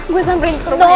gue samperin ke rumahnya